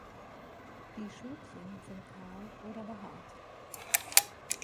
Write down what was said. Die Schötchen sind kahl oder behaart.